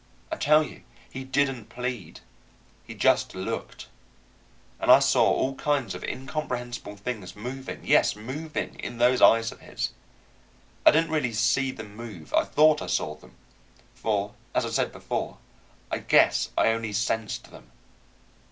I tell you he didn't plead. He just looked. And I saw all kinds of incomprehensible things moving, yes, moving, in those eyes of his. I didn't really see them move; I thought I saw them, for, as I said before, I guess I only sensed them.